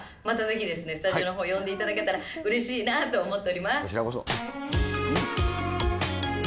またぜひですね、スタジオのほう、呼んでいただけたらうれしいなと思っております。